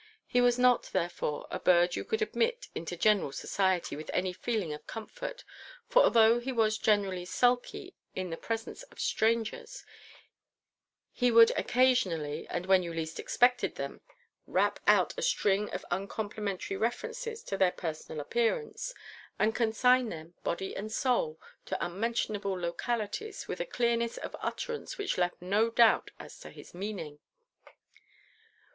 He was not, therefore, a bird you could admit into general society with any feeling of comfort, for although he was generally sulky in the presence of strangers, he would occasionally, and when you least expected them, rap out a string of uncomplimentary references to their personal appearance, and consign them, body and soul, to unmentionable localities, with a clearness of utterance which left no doubt as to his meaning.